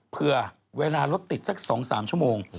เผื่อเวลารถติดสัก๒๓ชั่วโมง